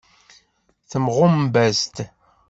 Temɣumbas-d.